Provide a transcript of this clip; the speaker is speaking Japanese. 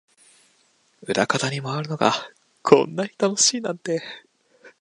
裏方に回るのがこんなに楽しいなんて